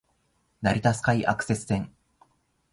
成田スカイアクセス線